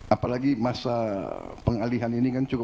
apalagi masa pengalihan ini gak ada